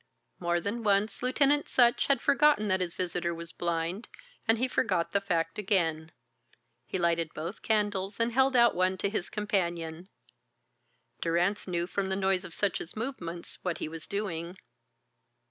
More than once Lieutenant Sutch had forgotten that his visitor was blind, and he forgot the fact again. He lighted both candles and held out one to his companion. Durrance knew from the noise of Sutch's movements what he was doing.